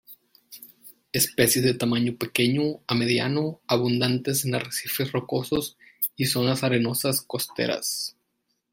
Especies de tamaño pequeño a mediano, abundantes en arrecifes rocosos y zonas arenosas costeras.